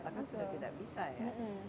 tidak bisa ya